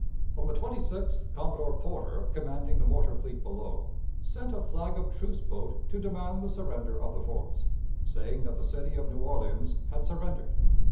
On the 26th Commodore Porter, commanding the mortar fleet below, sent a flag of truce boat to demand the surrender of the forts, saying that the city of New Orleans had surrendered.